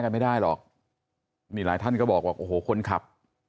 มีหลายท่านก็บอกว่าโอ้โหคนขับ